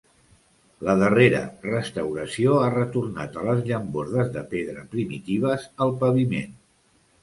La darrera restauració ha retornat a les llambordes de pedra primitives al paviment.